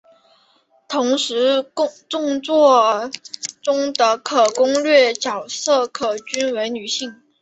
同时全作中的可攻略角色也均为女性。